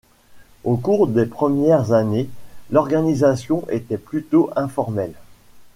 Au cours des premières années, l'organisation était plutôt informelle.